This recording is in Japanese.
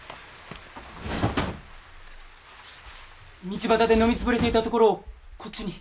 道端で飲みつぶれていたところをこっちに。